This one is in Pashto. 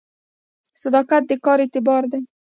صداقت د کار اعتبار دی